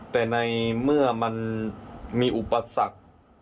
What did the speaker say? แต่ในเมื่อมันมีอุปสรรค